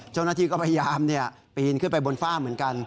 เจ้าหน้าที่ก็พยายามปีนขึ้นไปบนฝ้าเหมือนกัน